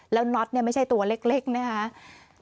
แล้วน็อตเนี่ยไม่ใช่ตัวเล็กนะครับ